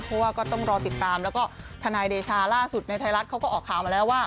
เพราะว่าก็ต้องรอติดตามแล้วก็ทนายเดชาล่าสุดในไทยรัฐเขาก็ออกข่าวมาแล้วว่า